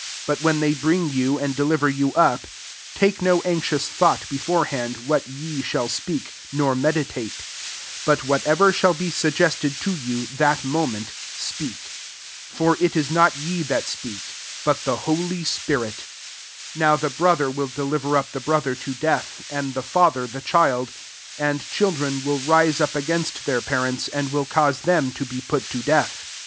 11 But wlicai they bring you and deliver jrwi up, take no anxious thougM before hand, what ye slidl speak, [nor meditate i] but what ever shall be suggested toyikq, that moment, speak: for it is not ye that speak, but the holy MARK XIII. 97 spirit U Now the brother will delJFerup the brother to death, and the &ther the child: and children will rise up against their parents, and will cause them to be put to death.